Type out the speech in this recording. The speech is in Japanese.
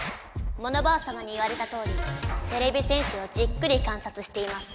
モノバアさまに言われたとおりてれび戦士をじっくりかんさつしています。